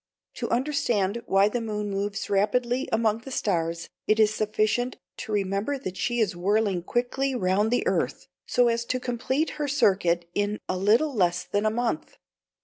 To understand why the moon moves rapidly among the stars, it is sufficient to remember that she is whirling quickly round the earth, so as to complete her circuit in a little less than a month.